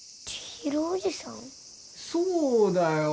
そうだよ。